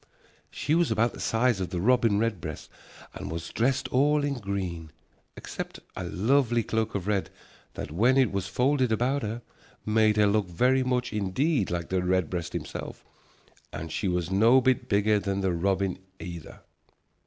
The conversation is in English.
She was about the size of the robin redbreast, and she was dressed all in green, except a lovely cloak of red that, when it was folded about her, made her look very much indeed like the redbreast himself, and she was no bit bigger than the robin either.